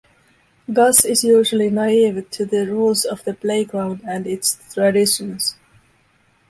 Gus is usually naive to the rules of the playground and its traditions.